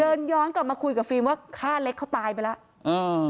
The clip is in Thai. เดินย้อนกลับมาคุยกับฟิล์มว่าฆ่าเล็กเขาตายไปแล้วอ่า